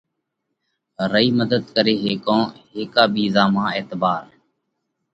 رئي مڌت ڪري هيڪونه؟ هيڪا ٻِيزا مانه اعتبار